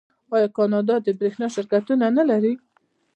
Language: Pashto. آیا کاناډا د بریښنا شرکتونه نلري؟